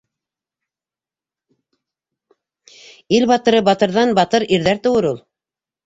Ил батыры батырҙан батыр ирҙәр тыуыр ул.